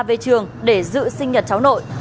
về trường để giữ sinh nhật cháu nội